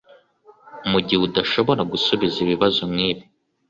Mu gihe adashobora gusubiza ibibazo nk’ibi